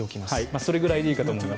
それぐらいでいいかと思います。